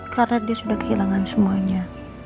karena dia sudah kehilangan semuanya